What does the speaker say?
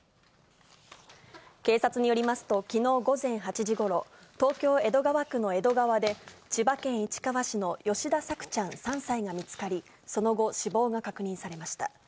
警察によりますと、きのう午前８時ごろ、東京・江戸川区の江戸川で、千葉県市川市の吉田朔ちゃん３歳が見つかり、その後、死亡が確認されました。